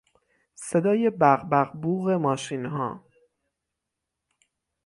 صدای بق بق بوق ماشینها